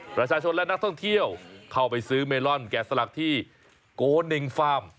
ประชาชนและนักท่องเที่ยวเข้าไปซื้อเมลอนแกะสลักที่โกเนงฟาร์ม